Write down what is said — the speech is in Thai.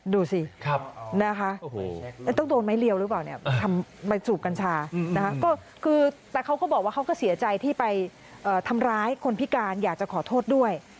ดูสินะคะต้องโดนไม้เรียวหรือเปล่าเนี่ยไปสูบกัญชานะคะก็คือแต่เขาก็บอกว่าเขาก็เสียใจที่ไปทำร้ายคนพิการอยากจะขอโทษด้วย